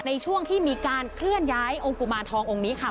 ในช่วงที่มีการเคลื่อนย้ายองค์กุมารทององค์นี้ค่ะ